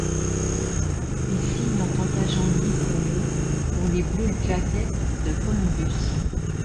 Il signe en tant qu'agent libre le pour les Blue Jackets de Columbus.